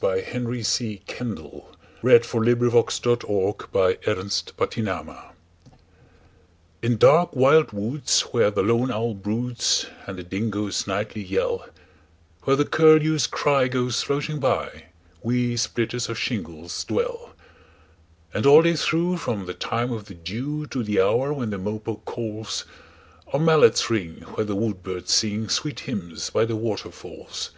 By Henry C. Kendall 27 . Song of the Shingle Splitters IN dark wild woods, where the lone owl broodsAnd the dingoes nightly yell—Where the curlew's cry goes floating by, We splitters of shingles dwell. And all day through, from the time of the dewTo the hour when the mopoke calls, Our mallets ring where the woodbirds singSweet hymns by the waterfalls.